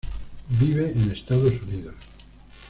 Vive en Estados Unidos.